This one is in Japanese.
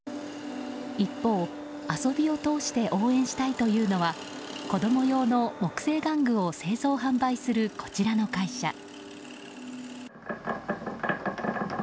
一方、遊びを通して応援したいというのは子供用の木製玩具を製造・販売するこちらの会社。